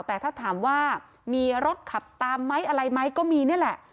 แต่ถ้าถามว่ามีรถขับตามไหมอะไรไหมก็มีนี่แหละ